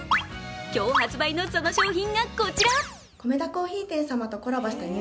今日発売のその商品がこちら。